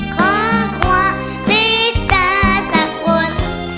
ขอขวะในตาสักวัน